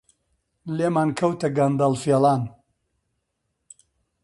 لێمان کەوتە گەندەڵ فێڵان!